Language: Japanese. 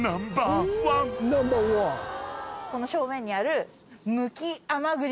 この正面にある。